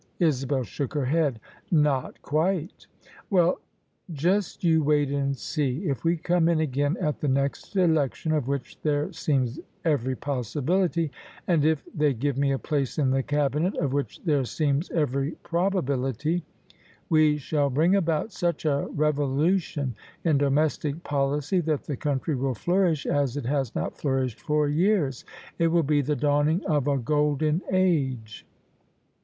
Isabel shook her head. " Not quite." "Well, just you wait and seel If we come in again at the next Election— of which there seems every possibility: and if they give me a place in the Cabinet— of which there seems every probability: we shall bring about such a revolu tion in domestic policy that th« country will flourish as it has not flourished for years. It will be the dawning of a golden age."